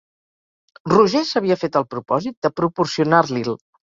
Roger s'havia fet el propòsit de proporcionar-li'l.